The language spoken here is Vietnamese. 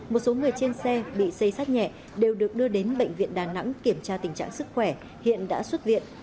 một số người trên xe bị xây sát nhẹ đều được đưa đến bệnh viện đà nẵng kiểm tra tình trạng sức khỏe hiện đã xuất viện